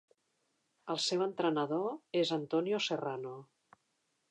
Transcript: El seu entrenador és Antonio Serrano.